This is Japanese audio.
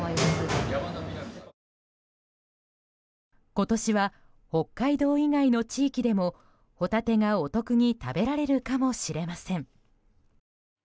今年は北海道以外の地域でもホタテがお得に食べられるかもしれません。